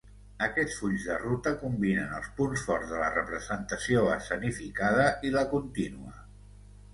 Aquests fulls de ruta combinen els punts forts de la representació escenificada i la continua.